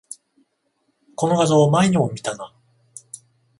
この画像、前にも見たな